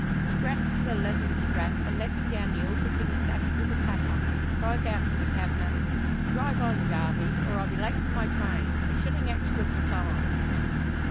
He grasps the leathern strap, and letting down the ill fitting sash with a clatter, cries out to the cabman, "Drive on, Jarvey, or I'll be late for my train! A shilling extra for time."